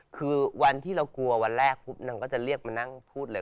คือวันที่เรากลัววันแรกปุ๊บนางก็จะเรียกมานั่งพูดเลย